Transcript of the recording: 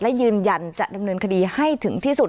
และยืนยันจะดำเนินคดีให้ถึงที่สุด